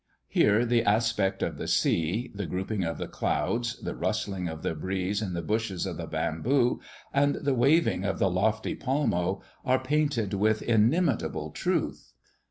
Here the aspect of the sea, the grouping of the clouds, the rustling of the breeze in the bushes of the bamboo, and the waving of the lofty palmo, are painted with inimitable truth.